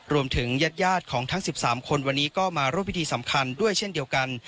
รวมถึงญาติของทั้ง๑๓คนวันนี้ก็มาร่วมพิธีสำคัญด้วยเช่นเดียวกัน